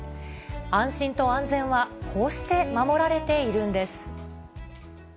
安心と安全はこうして守られているんです。